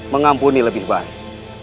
mengampuni lebih baik